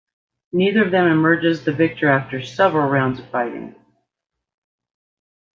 Neither of them emerges the victor after several rounds of fighting.